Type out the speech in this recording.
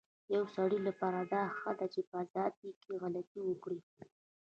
يو سړي لپاره دا ښه ده چي په ازادی کي غلطي وکړی